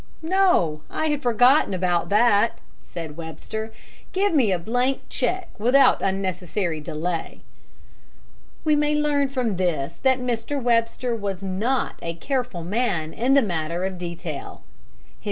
"No, I had forgotten about that," said Webster. "Give me a blank check without unnecessary delay." We may learn from this that Mr. Webster was not a careful man in the matter of detail.